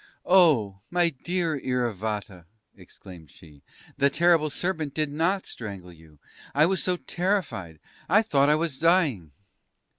"Oh! my dear Iravata," exclaimed she: "the terrible serpent did not strangle you! I was so terrified I thought I was dying!"